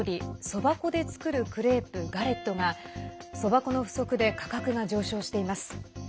そば粉で作るクレープガレットがそば粉の不足で価格が上昇しています。